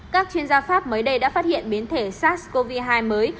các chuyên gia pháp mới đây đã phát hiện biến thể sars cov hai mới